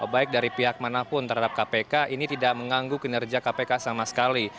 baik dari pihak manapun terhadap kpk ini tidak mengganggu kinerja kpk sama sekali